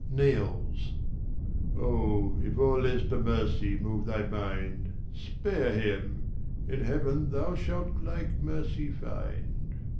[Kneels. Oh, if all this to mercy move thy mind, Spare him, in heaven thou shalt like mercy find.